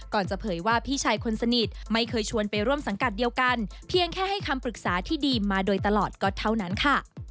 จะเผยว่าพี่ชายคนสนิทไม่เคยชวนไปร่วมสังกัดเดียวกันเพียงแค่ให้คำปรึกษาที่ดีมาโดยตลอดก็เท่านั้นค่ะ